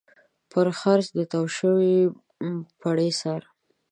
پر څرخ د تاو شوي پړي سر.